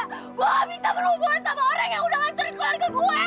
gue gak bisa berhubungan sama orang yang udah ngantur keluarga gue